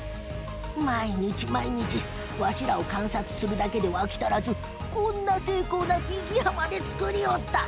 毎日毎日わしらを観察するだけでは飽き足らずこんな精巧なフィギュアまで作りおった。